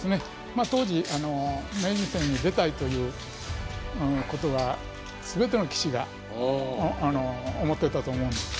まあ当時名人戦に出たいということは全ての棋士が思ってたと思うんです。